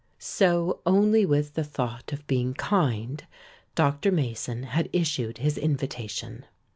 So only with the thought of being kind, Dr. Mason had issued his invitation.